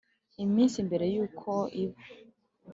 Iminsi mbere y uko iba